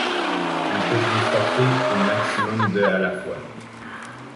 Il peut transporter une maximum de à la fois.